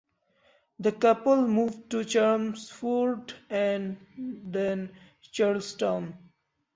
The couple moved to Chelmsford and then Charlestown.